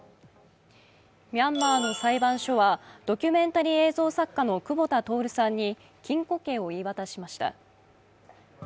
ミャンマーの裁判所はドキュメンタリー映像作家の久保田徹さんに禁固刑を言い渡しました。